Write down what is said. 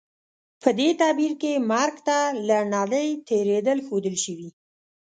په دې تعبیر کې مرګ ته له نړۍ تېرېدل ښودل شوي.